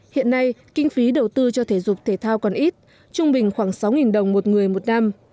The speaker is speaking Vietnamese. hiện nay kinh phí đầu tư cho thể dục thể thao còn ít trung bình khoảng sáu đồng một người một năm